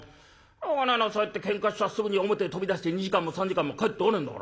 しょうがないなそうやってけんかしちゃすぐに表へ飛び出して２時間も３時間も帰ってこねえんだから。